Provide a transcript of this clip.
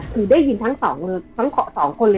คือได้ยินทั้ง๒คนเลยนะคราวนี้